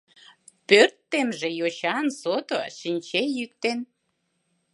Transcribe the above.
Пӧрт темже йочан Сото, чинче йӱк ден…